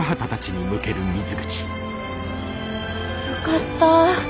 よかった。